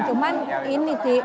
cuman ini sih